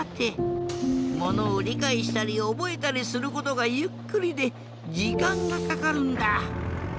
ものをりかいしたりおぼえたりすることがゆっくりでじかんがかかるんだ。